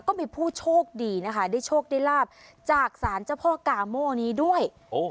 ก็มีผู้โชคดีนะคะได้โชคได้ลาบจากศาลเจ้าพ่อกาโม่นี้ด้วย